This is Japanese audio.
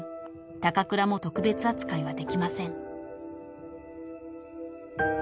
高倉も特別扱いはできません］